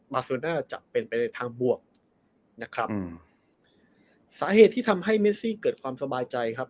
โซน่าจะเป็นไปในทางบวกนะครับอืมสาเหตุที่ทำให้เมซี่เกิดความสบายใจครับ